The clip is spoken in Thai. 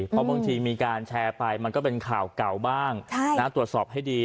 เพราะบางทีมีการแชร์ไปมันก็เป็นข่าวเก่าบ้างตรวจสอบให้ดี